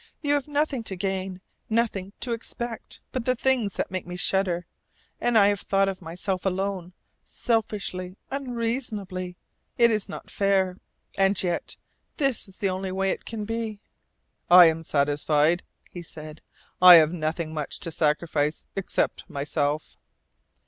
You have nothing to gain, nothing to expect but the things that make me shudder. And I have thought of myself alone, selfishly, unreasonably. It is not fair, and yet this is the only way that it can be." "I am satisfied," he said. "I have nothing much to sacrifice, except myself."